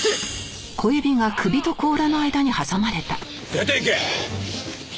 出ていけ！